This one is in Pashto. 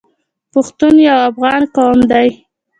پښتون یو افغان قوم دی.